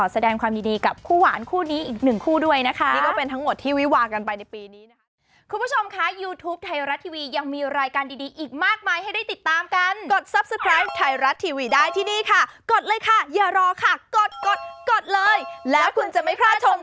สวัสดีทุกคนรายการดีอีกต่อไป